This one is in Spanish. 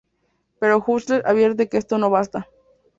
Pero Husserl advierte que esto no basta.